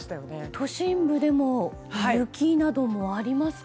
都心部でも雪などもありますか？